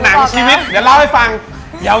หนังชีวิตเดี๋ยวเล่าให้ฟัง